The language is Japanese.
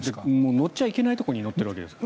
乗っちゃいけないところに乗っているわけですから。